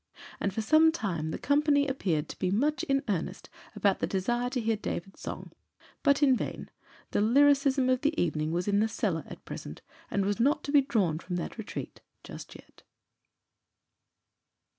And for some time the company appeared to be much in earnest about the desire to hear David's song. But in vain. The lyrism of the evening was in the cellar at present, and was not to be drawn from that retreat just yet....